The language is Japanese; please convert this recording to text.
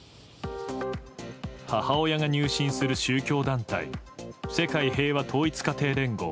母親が入信する宗教団体世界平和統一家庭連合。